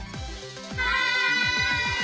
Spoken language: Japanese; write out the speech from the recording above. はい！